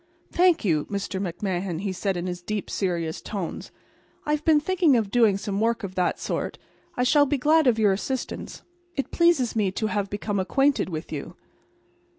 "Thank you, Mr. McMahan," he said, in his deep, serious tones. "I have been thinking of doing some work of that sort. I shall be glad of your assistance. It pleases me to have become acquainted with you."